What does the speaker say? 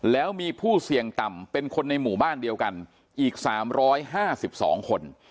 แล้วมีผู้เสี่ยงต่ำเป็นคนในหมู่บ้านเดียวกันอีก๓๕๒คน